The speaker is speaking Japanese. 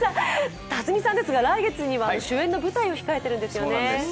辰巳さんですが来月には主演の舞台を控えているんですよね。